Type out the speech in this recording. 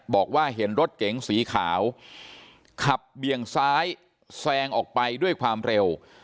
บอกว่าเห็นรถเก๋งสีขาวขับเบี่ยงซ้ายแซงออกไปด้วยความเร็ว